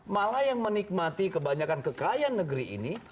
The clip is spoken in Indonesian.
malah yang menikmati kebanyakan kekayaan negeri ini